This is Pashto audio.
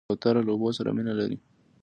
کوتره له اوبو سره مینه لري.